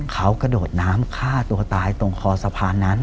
เขากระโดดน้ำฆ่าตัวตายตรงคอสะพานนั้น